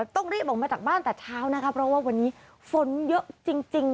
ต้องรีบออกมาจากบ้านแต่เช้านะคะเพราะว่าวันนี้ฝนเยอะจริง